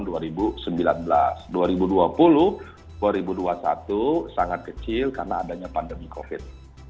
jadi itu sangat kecil karena adanya pandemi covid